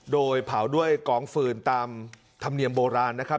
โดยเผาด้วยกองฟืนตามธรรมเนียมโบราณนะครับ